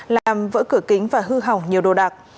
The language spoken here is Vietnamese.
làm vỡ cửa kính và hư hỏng nhiều đồ đạc